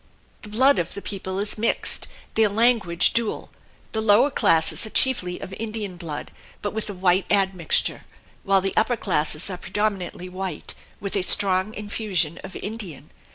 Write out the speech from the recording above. The blood of the people is mixed, their language dual; the lower classes are chiefly of Indian blood but with a white admixture; while the upper classes are predominantly white, with a strong infusion of Indian.